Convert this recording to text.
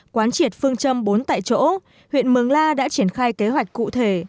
quán triệt phương châm bốn tại chỗ huyện mường la đã triển khai kế hoạch cụ thể